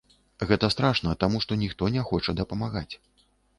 Гэта страшна, таму што ніхто не хоча дапамагаць.